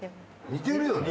似てるよね。